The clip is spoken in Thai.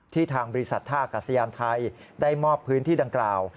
ทางบริษัทท่ากัศยานไทยได้มอบพื้นที่ดังกล่าว